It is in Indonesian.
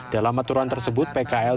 dalam aturan tersebut pkl